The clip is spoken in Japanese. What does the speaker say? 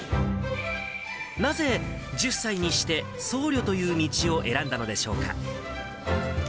なぜ、１０歳にして僧侶という道を選んだのでしょうか。